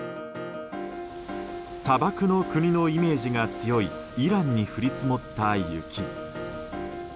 砂漠の国のイメージが強いイランに降り積もった雪。